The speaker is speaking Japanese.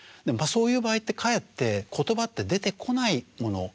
そういう場合ってかえって言葉って出てこないものという感じがします。